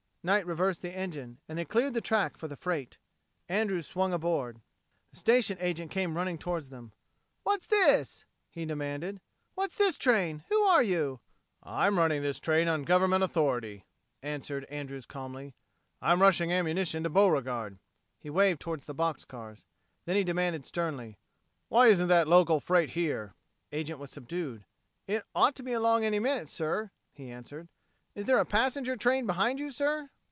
Knight reversed the engine, and they cleared the track for the freight. Andrews swung aboard. The station agent came running toward them. "What's this?" he demanded. "What's this train? Who are you?" "I'm running this train on government authority," answered Andrews calmly. "I'm rushing ammunition to Beauregard." He waved toward the box cars. Then he demanded sternly: "Why isn't that local freight here?" The agent was subdued. "It ought to be along any minute, sir," he answered. "Is there a passenger train behind you, sir?"